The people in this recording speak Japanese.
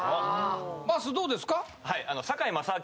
まっすーどうですか？